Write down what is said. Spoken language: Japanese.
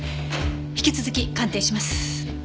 引き続き鑑定します。